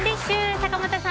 坂本さん